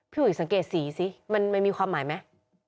อุ๋ยสังเกตสีสิมันมีความหมายไหม